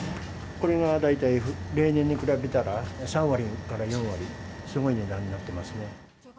これが大体、例年に比べたら、３割から４割、すごい値段になっていますね。